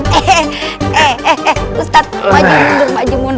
pak ustadz pak ustadz ini di jalanan apa di kebun